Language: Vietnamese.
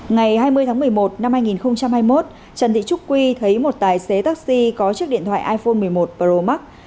ngày hai mươi tháng một mươi một năm hai nghìn hai mươi một trần thị trúc quy thấy một tài xế taxi có chiếc điện thoại iphone một mươi một pro max